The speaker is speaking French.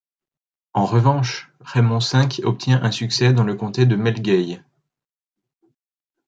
En revanche, Raymond V obtient un succès dans le comté de Melgueil.